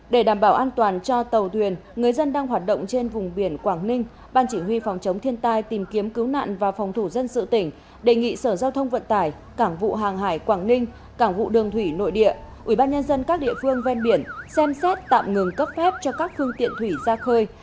để đảm bảo an toàn cho tàu thuyền người dân đang hoạt động trên vùng biển quảng ninh ban chỉ huy phòng chống thiên tai tìm kiếm cứu nạn và phòng thủ dân sự tỉnh đề nghị sở giao thông vận tải cảng vụ hàng hải quảng ninh cảng vụ đường thủy nội địa ubnd các địa phương ven biển xem xét tạm ngừng cấp phép cho các phương tiện thủy ra khơi